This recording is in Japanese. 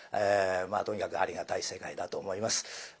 とにかくありがたい世界だと思います。